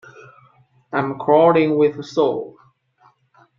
I'm crawling with soul.